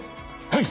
はい！